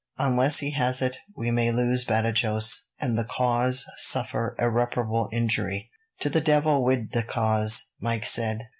Unless he has it we may lose Badajos, and the cause suffer irreparable injury." "To the devil wid the cause," Mike said.